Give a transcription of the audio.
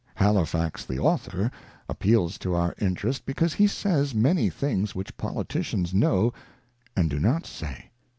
Halifax, the author, appeals to our interest because he says many things which politicians know and do not say.